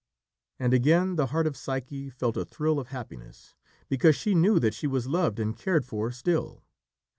And again the heart of Psyche felt a thrill of happiness, because she knew that she was loved and cared for still.